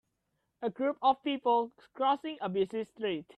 A group of people crossing a busy street.